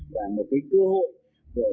và một cái cơ hội